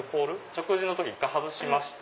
食事の時１回外しました